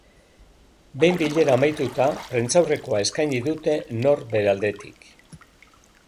Behin bilera amaituta, prentsaurrekoa eskaini dute nor bere aldetik.